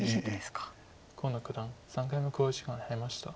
河野九段３回目の考慮時間に入りました。